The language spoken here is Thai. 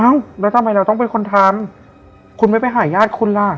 แล้วทำไมเราต้องเป็นคนทำคุณไม่ไปหาญาติคุณล่ะ